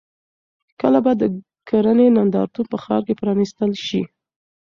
کله به د کرنې نندارتون په ښار کې پرانیستل شي؟